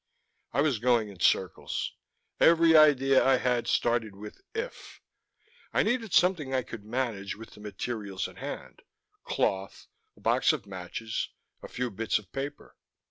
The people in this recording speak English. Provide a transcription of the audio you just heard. I was going in circles. Every idea I had started with 'if'. I needed something I could manage with the materials at hand: cloth, a box of matches, a few bits of paper.